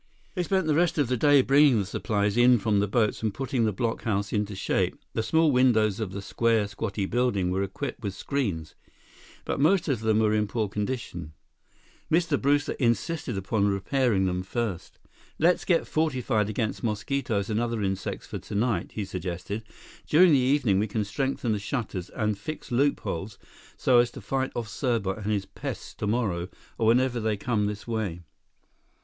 They spent the rest of the day bringing the supplies in from the boats and putting the blockhouse into shape. The small windows of the square, squatty building were equipped with screens, but most of them were in poor condition. Mr. Brewster insisted upon repairing them first. "Let's get fortified against mosquitoes and other insects for tonight," he suggested. "During the evening, we can strengthen the shutters and fix loopholes so as to fight off Serbot and his pests tomorrow or whenever they come this way."